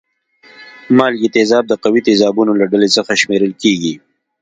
مالګې تیزاب د قوي تیزابونو له ډلې څخه شمیرل کیږي.